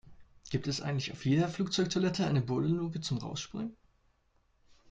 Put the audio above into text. Gibt es eigentlich auf jeder Flugzeugtoilette eine Bodenluke zum Rausspringen?